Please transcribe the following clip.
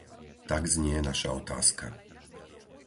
Tak znie naša otázka.